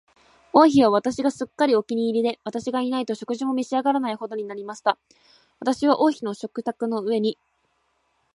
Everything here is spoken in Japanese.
王妃は私がすっかりお気に入りで、私がいないと食事も召し上らないほどになりました。私は王妃の食卓の上に、